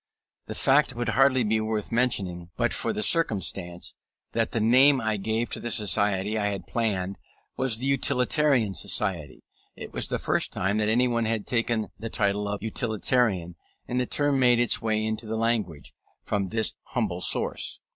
The fact would hardly be worth mentioning, but for the circumstance, that the name I gave to the society I had planned was the Utilitarian Society. It was the first time that anyone had taken the title of Utilitarian; and the term made its way into the language, from this humble source.